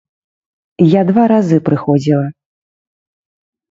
Я два разы прыходзіла.